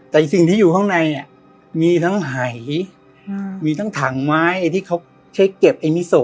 แต่สิ่งที่อยู่ข้างในอ่ะมีทั้งไหอืมมีทั้งถังไม้ที่เขาใช้เก็บไอมิโซ